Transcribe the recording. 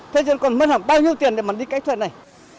thế dân còn mất hẳn bao nhiêu tiền để mà đi cái chuyện này